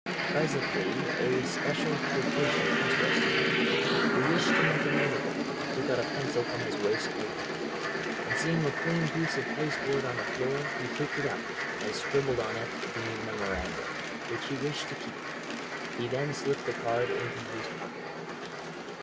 Presently a special quotation interested him; he wished to make a note of it, took out a pencil from his waistcoat pocket, and seeing a clean piece of paste board on the floor, he picked it up, and scribbled on it the memorandum, which he wished to keep. He then slipped the card into his pocket book.